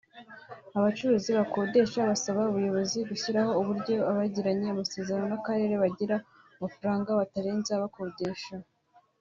Aba bacuruzi bakodesha basaba ubuyobozi gushyiraho uburyo abagiranye amasezerano n’akarere bagira amafaranga batarenza bakodesha